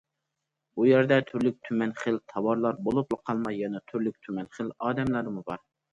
بۇ يەردە تۈرلۈك- تۈمەن خىل تاۋارلار بولۇپلا قالماي يەنە تۈرلۈك- تۈمەن خىل ئادەملەرمۇ بار.